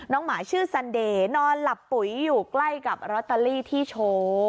หมาชื่อซันเดย์นอนหลับปุ๋ยอยู่ใกล้กับลอตเตอรี่ที่โชว์